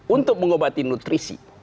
untuk mengobati nutrisi